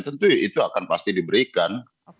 tentu itu akan pasti diberikan